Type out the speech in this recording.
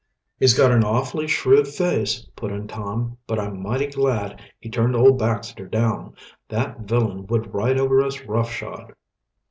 "He's got an awfully shrewd face," put in Tom. "But I'm mighty glad he turned old Baxter down. That villain would ride over us roughshod."